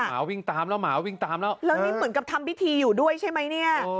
หมาวิ่งตามแล้วหมาวิ่งตามแล้วแล้วนี่เหมือนกับทำพิธีอยู่ด้วยใช่ไหมเนี่ย